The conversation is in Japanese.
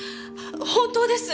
本当です！